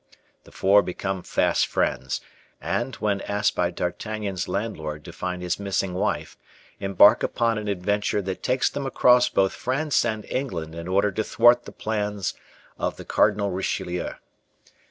The four become fast friends, and, when asked by D'Artagnan's landlord to find his missing wife, embark upon an adventure that takes them across both France and England in order to thwart the plans of the Cardinal Richelieu.